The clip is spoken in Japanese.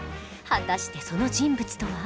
果たしてその人物とは？